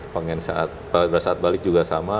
pengen pada saat balik juga sama